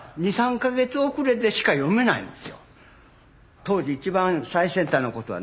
当時一番最先端のことがね